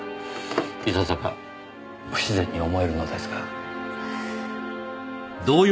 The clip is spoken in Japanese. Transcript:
いささか不自然に思えるのですが。